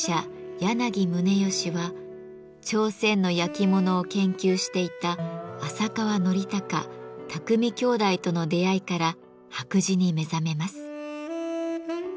柳宗悦は朝鮮の焼き物を研究していた浅川伯教・巧兄弟との出会いから白磁に目覚めます。